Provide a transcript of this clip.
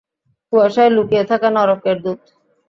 কুয়াশায় লুকিয়ে থাকা নরকের দূত!